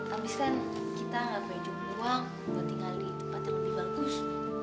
abis kan kita gak punya jumlah uang buat tinggal di tempat yang lebih bagus